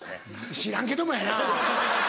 知らんけどもやな。